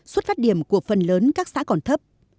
xuất phát điểm của phần lớn các xã còn thấp